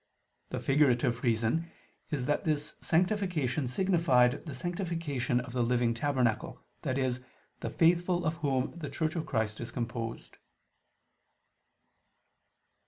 The figurative reason is that this sanctification signified the sanctification of the living tabernacle, i.e. the faithful of whom the Church of Christ is composed.